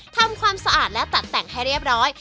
ทำความสะอาดและตัดแต่งให้เรียบร้อย